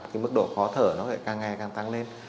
cái mức độ khó thở nó lại càng ngày càng tăng lên